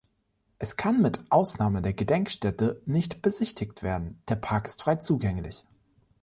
Es kann mit Ausnahme der Gedenkstätte nicht besichtigt werden, der Park ist frei zugänglich.